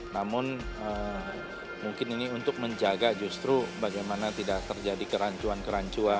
namun mungkin ini untuk menjaga justru bagaimana tidak terjadi kerancuan kerancuan